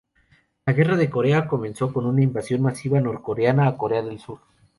La Guerra de Corea comenzó con una invasión masiva norcoreana a Corea del Sur.